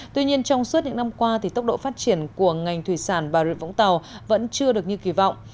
tuy nhiên trong suốt những năm qua thì tốc độ phát triển của ngành thủy sản bà rịa vũng tàu vẫn chưa được như kỳ vọng